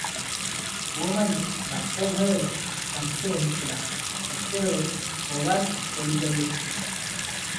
ପୁଅମାନେ ବାପ ଭୟରେ ଶଙ୍କି ରହିଥିଲା, ଏତେବେଳେ ପୋବାର ପଡ଼ିଯାଇଅଛି ।